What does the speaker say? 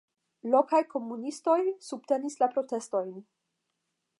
Lokaj komunistoj subtenis la protestojn.